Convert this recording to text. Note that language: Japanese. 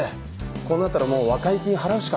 こうなったらもう和解金払うしか。